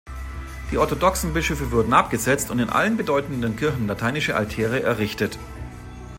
Die orthodoxen Bischöfe wurden abgesetzt und in allen bedeutenden Kirchen lateinische Altäre errichtet.